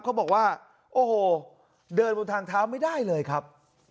เขาบอกว่าโอ้โหเดินบนทางเท้าไม่ได้เลยครับ